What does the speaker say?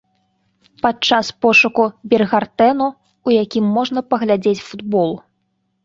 Падчас пошуку біргартэну, у якім можна паглядзець футбол.